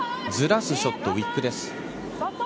ズラすショット、ウィックです。